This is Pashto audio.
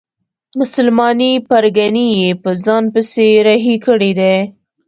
مسلمانې پرګنې یې په ځان پسې رهي کړي دي.